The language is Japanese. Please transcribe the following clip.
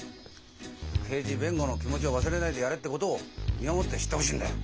「刑事弁護の気持ちを忘れないでやれ」ってことを身をもって知ってほしいんだよ。